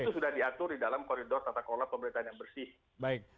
itu sudah diatur di dalam koridor tata kelola pemerintahan yang bersih